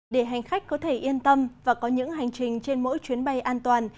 để hành khách có thể yên tâm và có những hành trình trên mỗi chuyến bay an toàn